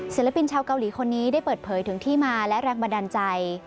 ศิลปินชาวเกาหลีคนนี้ได้เปิดเผยถึงที่มาและแรงบันดาลใจ